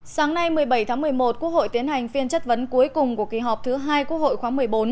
sáng nay một mươi bảy tháng một mươi một quốc hội tiến hành phiên chất vấn cuối cùng của kỳ họp thứ hai quốc hội khóa một mươi bốn